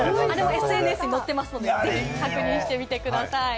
ＳＮＳに載っていますのでぜひ確認してください。